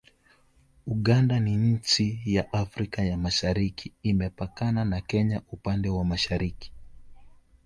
Uganda ni nchi ya Afrika ya Mashariki Imepakana na Kenya upande wa mashariki